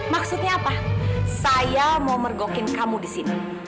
maksudnya apa saya mau mergokin kamu di sini